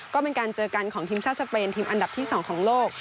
ก็เป็นการเจอกันของทีมชาติสเปนทีมอันดับที่๒ของโลก